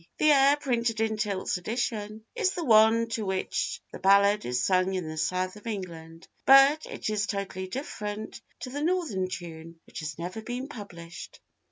The air printed in Tilt's edition is the one to which the ballad is sung in the South of England, but it is totally different to the Northern tune, which has never been published.